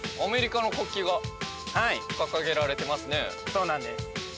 そうなんです。